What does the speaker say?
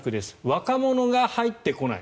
若者が入ってこない。